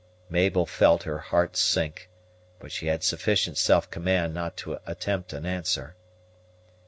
Mabel felt her heart sink, but she had sufficient self command not to attempt an answer.